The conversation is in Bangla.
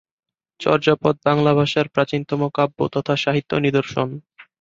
চর্যাপদ বাংলা ভাষার প্রাচীনতম কাব্য তথা সাহিত্য নিদর্শন।